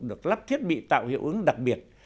được lắp thiết bị tạo hiệu ứng đặc biệt